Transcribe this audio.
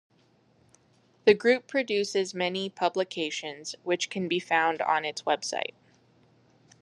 The group produces many publications, which can be found on its website.